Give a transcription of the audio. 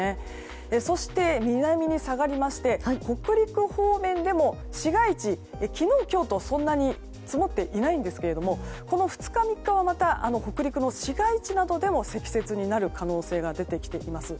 そして、南に下がりまして北陸方面でも、市街地は昨日、今日とそんなに積もっていないんですけどもこの２日、３日はまた北陸の市街地などで積雪になる可能性が出てきています。